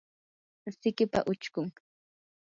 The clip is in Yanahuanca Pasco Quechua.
sikipa uchkun